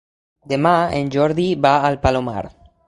Demà en Jordi va al Palomar.